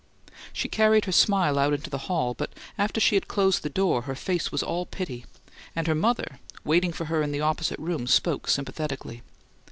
She carried her smile out into the hall, but after she had closed the door her face was all pity; and her mother, waiting for her in the opposite room, spoke sympathetically.